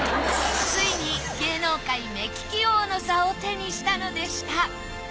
ついに芸能界目利き王の座を手にしたのでした